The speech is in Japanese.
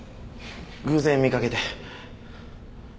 偶然見かけて。